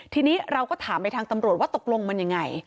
ทีนี้เราก็ถามไปทางตำรวจว่าตกลงมันยังไง